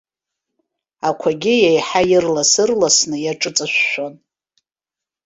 Ақәагьы еиҳа ирлас-ырласны иаҿыҵышәшәон.